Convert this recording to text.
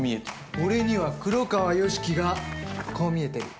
俺には黒川良樹がこう見えてる。